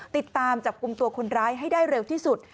ติดตามจับกลุ่มตัวคนร้ายให้ได้เร็วที่สุด